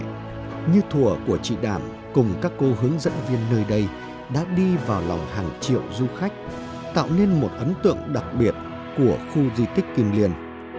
đã bao năm qua chất giọng ngọt ngào lúc nhẹ như thùa của chị đàm cùng các cô hướng dẫn viên nơi đây đã đi vào lòng hàng triệu du khách tạo nên một ấn tượng đặc biệt của khu di tích kiên liên